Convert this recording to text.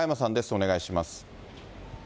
お願いします。